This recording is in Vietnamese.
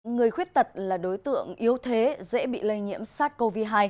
người khuyết tật là đối tượng yếu thế dễ bị lây nhiễm sars cov hai